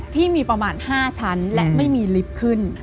ที่มีประมาณ๕ชั้นและไม่มีลิฟต์ขึ้น